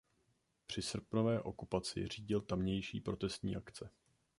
Při srpnové okupaci řídil tamější protestní akce.